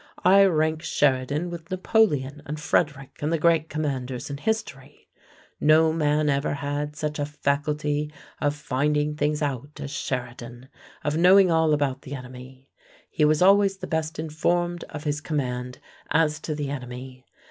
I rank Sheridan with Napoleon and Frederick and the great commanders in history. No man ever had such a faculty of finding things out as Sheridan, of knowing all about the enemy. He was always the best informed of his command as to the enemy.